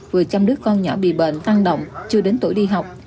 vừa chăm đứt con nhỏ bị bệnh phan động chưa đến tuổi đi học